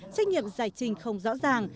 trách nhiệm giải trình không rõ ràng